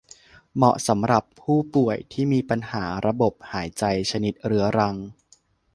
เหมาะสำหรับผู้ป่วยที่มีปัญหาระบบหายใจชนิดเรื้อรัง